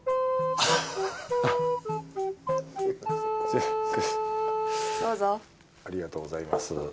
ありがとうございます。